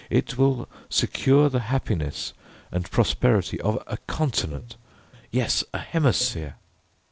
It will secure the happiness and prosperity of a continent yes, a hemisphere!"